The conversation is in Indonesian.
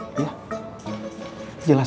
terima kasih pak